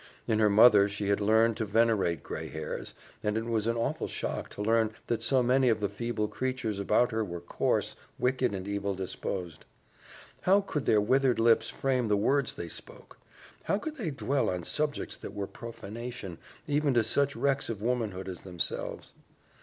In her mother she had learned to venerate gray hairs, and it was an awful shock to learn that so many of the feeble creatures about her were coarse, wicked, and evil disposed. How could their withered lips frame the words they spoke? How could they dwell on subjects that were profanation, even to such wrecks of womanhood as themselves?